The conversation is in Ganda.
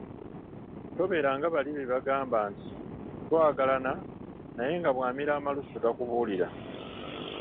Tobeera nga bali be bagamba nti, “Twagalana naye nga bwamira amalusu takubuulira”